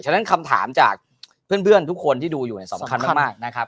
ฉะนั้นคำถามจากเพื่อนเพื่อนทุกคนที่ดูอยู่เนี้ยสำคัญมากมากนะครับ